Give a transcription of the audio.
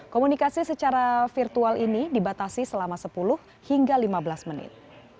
komunikasi secara virtual ini dibatasi selama sepuluh hingga lima belas menit